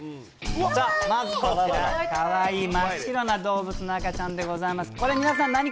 さあ、まずこちら、かわいい真っ白な動物の赤ちゃんでございます。